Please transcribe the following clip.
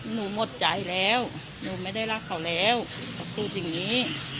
หมดใจแล้วหนูไม่ได้รักเขาแล้วเขาพูดอย่างนี้